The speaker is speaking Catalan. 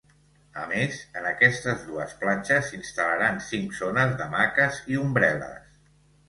A més, en aquestes dues platges s’instal·laran cinc zones d’hamaques i ombrel·les.